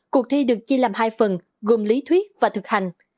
cuộc thi được chia làm hai phần gồm lý thuyết và thực hành